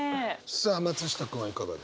さあ松下君はいかがでしょう？